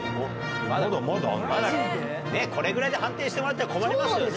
これぐらいで判定してもらっては困りますよね。